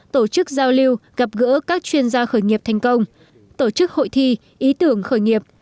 tổ chức giao lưu gặp gỡ các chuyên gia khởi nghiệp thành công tổ chức hội thi ý tưởng khởi nghiệp